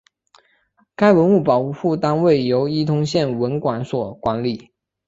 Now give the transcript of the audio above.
该文物保护单位由伊通县文管所管理。